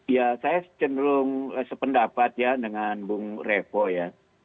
ya saya cenderung sependapat ya dengan bung revo ya